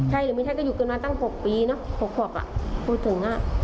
ไทยหรือไม่ไทยก็อยู่กันมาตั้ง๖ปีพูดถึง